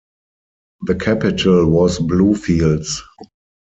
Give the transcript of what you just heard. The capital was Bluefields.